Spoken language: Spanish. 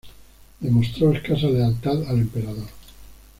Demostró escasa lealtad al emperador.